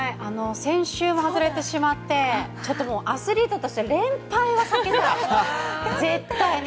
先週も外れてしまってちょっともうアスリートとして連敗は避けたい、絶対に。